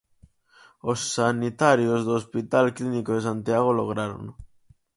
Os sanitarios do hospital clínico de Santiago lográrono.